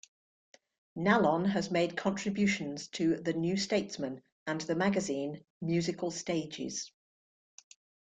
Nallon has made contributions to "The New Statesman" and the magazine "Musical Stages".